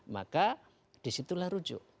maka disitulah rujuk